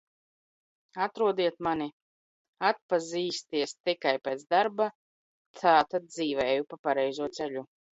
Atrodiet mani, atpazīsties tikai pēc darba. Tātad dzīvē eju pa pareizo ceļu.